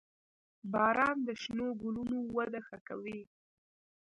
• باران د شنو ګلونو وده ښه کوي.